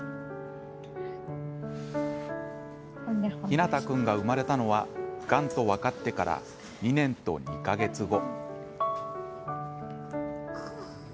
陽向君が生まれたのはがんと分かってから２年と２か月後。